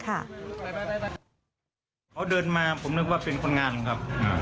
เขาเดินมาผมนึกว่าเป็นคนงานครับ